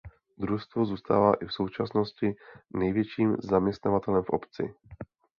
Družstvo zůstává i v současnosti největším zaměstnavatelem v obci.